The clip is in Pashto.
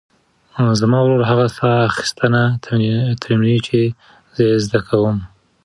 زما ورور هغه ساه اخیستنه تمرینوي چې زه یې زده کوم.